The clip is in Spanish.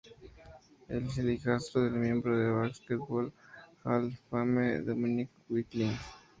Es el hijastro del miembro del Basketball Hall of Fame Dominique Wilkins.